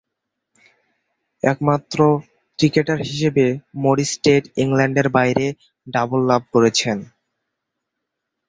একমাত্র ক্রিকেটার হিসেবে Maurice Tate ইংল্যান্ডের বাইরে ডাবল লাভ করেছেন।